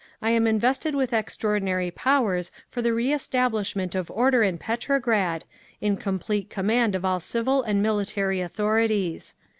I am invested with extraordinary powers for the reestablishment of order in Petrograd, in complete command of all civil and military authorities…."